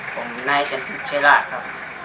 ผมนายจันทุกชายราชครับ